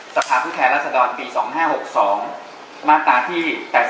สภาพแพร่รัฐสดรปี๒๕๖๒มาตราที่๘๕